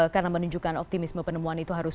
karena menunjukkan optimisme penemuan itu harus